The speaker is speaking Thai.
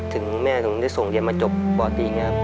ถึงแม่ถึงได้ส่งเรียนมาจบปตีอย่างนี้ครับ